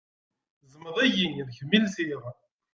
Ẓmeḍ-iyi d kemm i lsiɣ.